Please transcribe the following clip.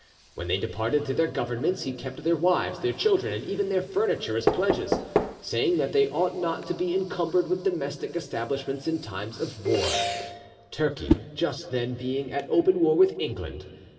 When they departed to their governments, he kept their wives, their children, and even their furniture as pledges, saying that they ought not to be encumbered with domestic establishments in time of war, Turkey just then being at open war with England.